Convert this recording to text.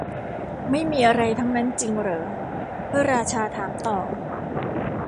ไม่มีอะไรทั้งนั้นจริงเหรอ พระราชาถามต่อ